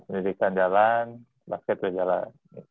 pendidikan jalan basket juga jalan